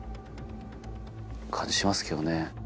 感じしますけどね。